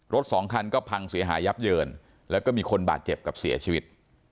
สองคันก็พังเสียหายยับเยินแล้วก็มีคนบาดเจ็บกับเสียชีวิต